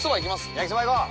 焼きそばいこう。